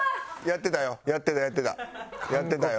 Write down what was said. やってたやってた。